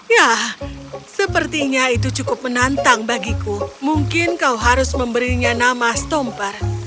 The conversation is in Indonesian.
ya sepertinya itu cukup menantang bagiku mungkin kau harus memberinya nama stomper